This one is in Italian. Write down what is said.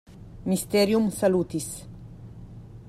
Mysterium salutis.